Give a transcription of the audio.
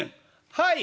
「はい！